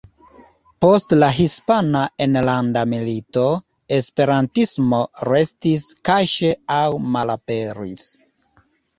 Post la Hispana Enlanda Milito, esperantismo restis kaŝe aŭ malaperis.